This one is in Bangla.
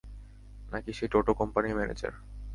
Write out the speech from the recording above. নাকি সে টোটো কোম্পানির ম্যানেজার?